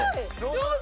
上手。